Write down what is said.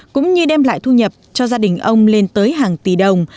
cũng như đem lại thu nhập cho gia đình ông lên tới hàng tỷ đồng